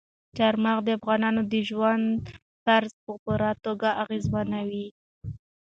چار مغز د افغانانو د ژوند طرز په پوره توګه اغېزمنوي.